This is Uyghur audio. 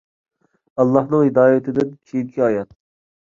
ئاللاھنىڭ ھىدايىتىدىن كېيىنكى ھايات